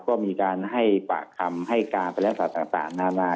ก็มีการให้ปากคำให้การแปลงศาสตร์ต่างนานา